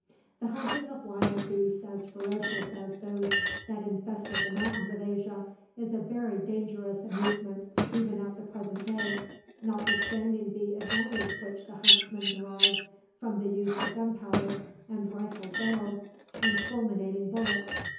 The hunting of wild beasts as ferocious as those that infested the mountains of Asia is a very dangerous amusement even at the present day, notwithstanding the advantage which the huntsman derives from the use of gunpowder, and rifled barrels, and fulminating bullets.